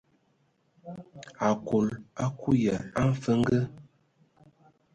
Akol akui ya a mfənge.